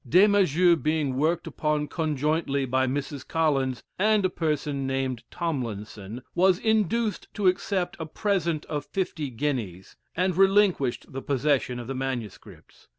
Des Maizeaux being worked upon conjointly by Mrs. Collins and a person named Tomlinson, was induced to accept a present of fifty guineas, and relinquished the possession of the manuscripts.